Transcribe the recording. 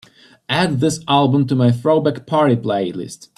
add this album to my Throwback Party playlist